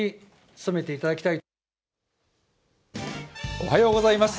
おはようございます。